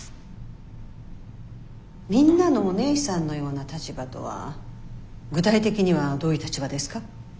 みんなのお姉さんのような立場とは具体的にはどういう立場ですか？